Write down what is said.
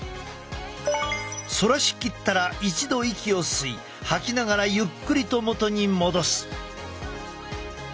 反らしきったら一度息を吸い吐きながらゆっくりと元に戻す。